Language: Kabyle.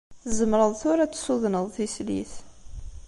Tzemreḍ tura ad tessudneḍ tislit.